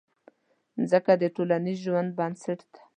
مځکه د ټولنیز ژوند بنسټ ده.